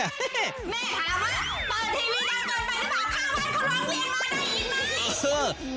แม่ถามว่าเปิดทีวีดังเกินไปหรือเปล่าข้าวบ้านเขาร้องเรียนมาได้ยินไหม